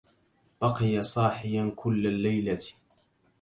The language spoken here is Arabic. بقي صاحيا كل الليلة.